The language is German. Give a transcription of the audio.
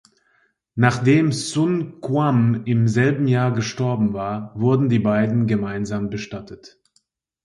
Nachdem Sun Quan im selben Jahr gestorben war, wurden die beiden gemeinsam bestattet.